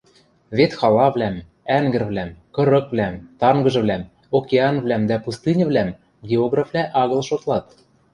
Вет халавлӓм, ӓнгӹрвлӓм, кырыквлӓм, тангыжвлӓм, океанвлӓм дӓ пустыньывлӓм географвлӓ агыл шотлат.